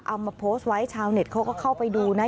เอามาโพสต์ไว้ชาวเน็ตเขาก็เข้าไปดูนะ